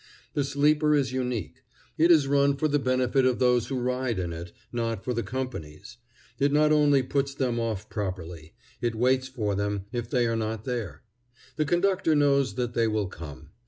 The sleeper is unique. It is run for the benefit of those who ride in it, not for the company's. It not only puts them off properly; it waits for them, if they are not there. The conductor knows that they will come.